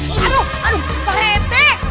aduh aduh pak rete